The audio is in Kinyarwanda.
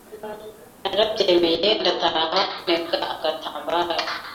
Narabyemeye ndataha ntega agatambaro